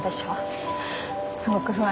すごく不安です。